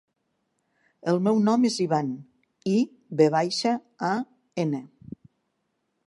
El meu nom és Ivan: i, ve baixa, a, ena.